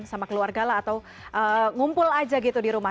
sama keluarga lah atau ngumpul aja gitu di rumah